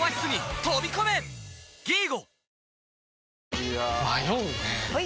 いや迷うねはい！